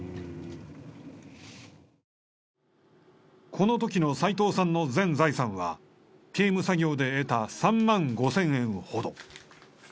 この時の斉藤さんの全財産は刑務作業で得た３万５０００円ほど。